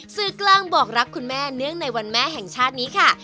สื่อกลางบอกรักคุณแม่เนื่องในวันแม่แห่งชาตินี้ค่ะ